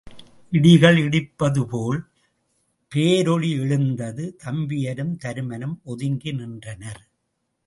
இடிகள் இடிப்பது போல் பேரொலி எழுந்தது தம்பியரும் தருமனும் ஒதுங்கி நின்றனர்.